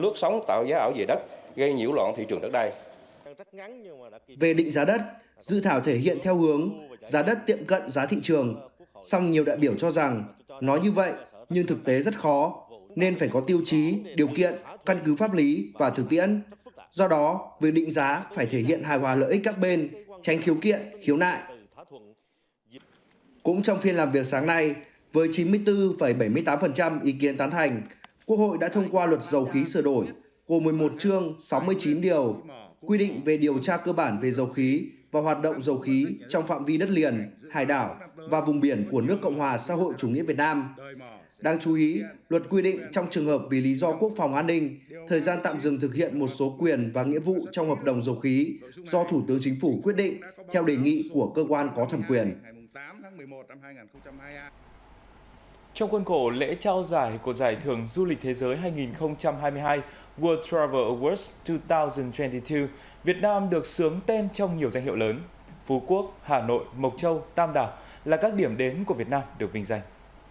trong quân cổ lễ trao giải của giải thưởng du lịch thế giới hai nghìn hai mươi hai world travel awards hai nghìn hai mươi hai việt nam được sướng tên trong nhiều danh hiệu lớn phú quốc hà nội mộc châu tam đảo là các điểm đến của việt nam được vinh danh